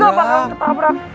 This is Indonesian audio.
gak bakalan ketabrak